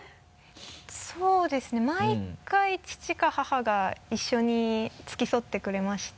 そうですね毎回父か母が一緒に付き添ってくれまして。